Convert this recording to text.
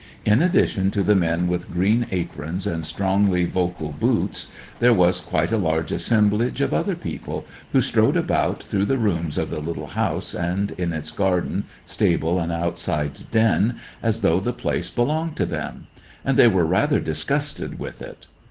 In addition to the men with green aprons and strongly vocal boots, there was quite a large assemblage of other people, who strode about through the rooms of the little house, and in its garden, stable, and outside den, as though the place belonged to them, and they were rather disgusted with it.